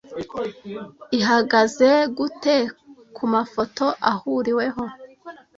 ihagaze gute kumafoto ahuriweho